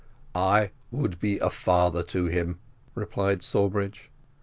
"I would be a father to him," replied Sawbridge.